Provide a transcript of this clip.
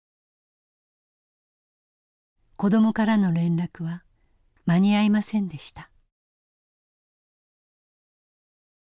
子どもからの連絡は間に合いませんでした。